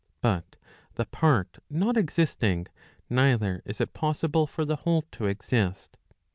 But the part not existing, neither is it possible for the whole to exist.